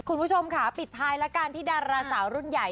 คุณผู้ชมค่ะปิดท้ายละกันที่ดาราสาวรุ่นใหญ่